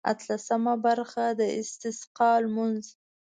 اتلسمه برخه د استسقا لمونځ.